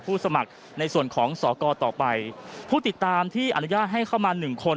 สมัครในส่วนของสอกรต่อไปผู้ติดตามที่อนุญาตให้เข้ามาหนึ่งคน